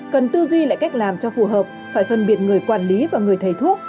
cần tư duy lại cách làm cho phù hợp phải phân biệt người quản lý và người thầy thuốc